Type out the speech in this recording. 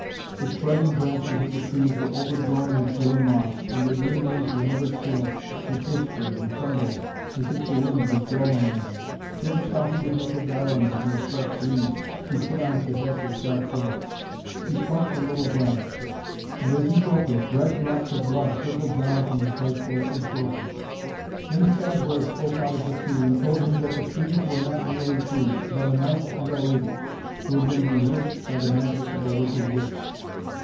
The spreading branches of the trees were overgrown with grey moss, and their green leaves were never still, but whispered and trembled as if the wind was blowing on them. George thought he would make a garland of these fresh leaves to put on Fidessa's dark hair. He plucked a little branch, and, as he broke it, red drops of blood trickled down from the place where it was broken. Then a sad voice spoke out of the tree, and told him that the trees were not really trees, but a knight and a lady, who had been bewitched by the magic of a wicked witch.